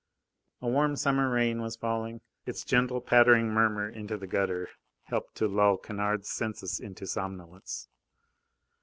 A warm summer rain was falling; its gentle, pattering murmur into the gutter helped to lull Kennard's senses into somnolence.